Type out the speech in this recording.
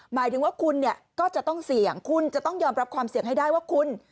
หมายถึงว่าคุณเนี่ยก็จะต้องเสี่ยงคุณจะต้องยอมรับความเสี่ยงให้ได้ว่าคุณ